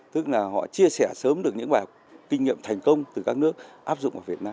tức là họ chia sẻ sớm được những bài kinh nghiệm thành công từ các nước áp dụng ở việt nam